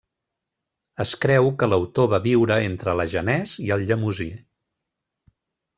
Es creu que l'autor va viure entre l'Agenès i el Llemosí.